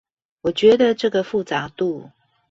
我覺得這個複雜度